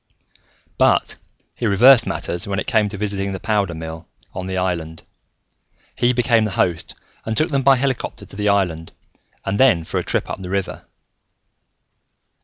But he reversed matters when it came to visiting the powder mill on the island: he became the host and took them by helicopter to the island and then for a trip up the river.